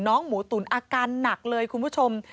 หมูตุ๋นอาการหนักเลยคุณผู้ชม